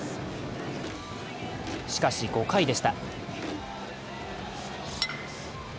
しかし５回でした。